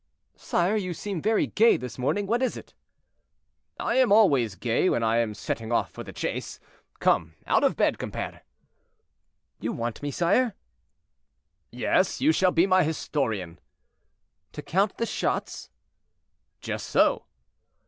"Sire, you seem very gay this morning; what is it?" "I am always gay when I am setting off for the chase. Come, out of bed, compere." "You want me, sire?" "Yes; you shall be my historian." "To count the shots?" "Just so."